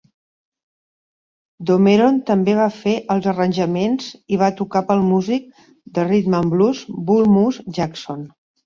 Dameron també va fer els arranjaments i va tocar pel músic de rhythm and blues Bull Moose Jackson.